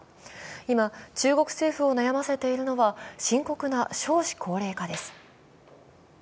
今、中国政府を悩ませているのは深刻な少子高齢化です。